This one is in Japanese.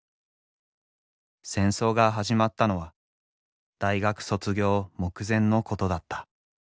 戦争が始まったのは大学卒業目前のことだった。